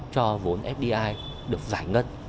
cho vốn fdi được giải ngân